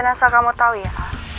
dan asal kamu tau ya